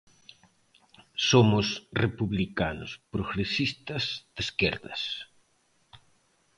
Somos republicanos, progresistas, de esquerdas.